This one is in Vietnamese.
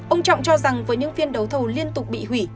ông trọng cho rằng với những phiên đấu thầu liên tục bị hủy